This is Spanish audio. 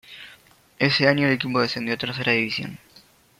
Ese año el equipo descendió a Tercera división.